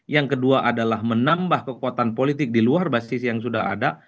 yang kedua adalah menambah kekuatan politik di luar basis yang sudah ada